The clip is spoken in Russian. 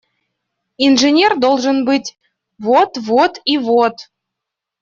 Инженер должен быть – вот… вот… и вот…